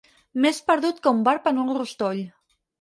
Més perdut que un barb en un rostoll.